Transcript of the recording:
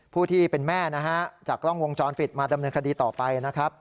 ผู้ที่เป็นแม่จากกล้องวงจรปิดมาดำเนินคดีต่อไป